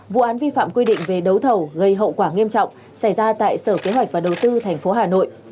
vụ án vi phạm quy định về đấu thầu gây hậu quả nghiêm trọng xảy ra tại sở kế hoạch và đầu tư tp hà nội